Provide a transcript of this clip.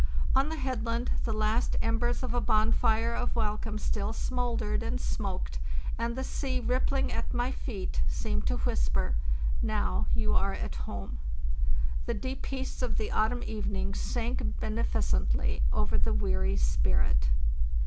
On the headland the last em bers of a bonfire of welcome still smouldered and smoked, and the sea rippling at my feet seemed to whisper, "Now you are at home." The deep peace of the autumn evening sank beneficently over the weary spirit.